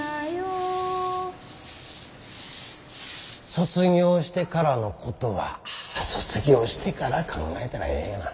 卒業してからのことは卒業してから考えたらええがな。